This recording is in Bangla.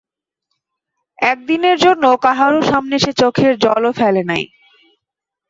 একদিনের জন্য কাহারো সামনে সে চোখের জলও ফেলে নাই।